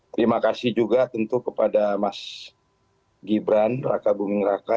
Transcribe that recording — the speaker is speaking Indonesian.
terima kasih juga tentu kepada mas gibran raka buming raka